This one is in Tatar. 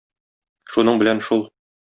Шуның белән шул.